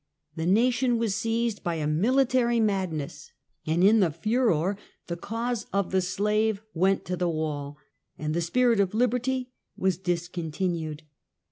The nation was seized by a military madness, and in the furore, the cause of the slave went to the wall, and The Spirit of Liberty was discontinued.